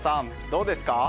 どうですか？